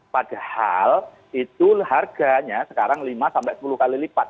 padahal itu harganya sekarang lima sampai sepuluh kali lipat